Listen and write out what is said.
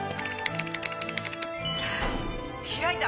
開いた！